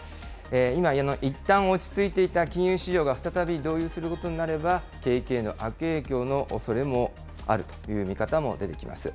今、いったん落ち着いていた金融市場が再び動揺することになれば、景気への悪影響のおそれもあるという見方も出てきます。